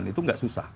itu gak susah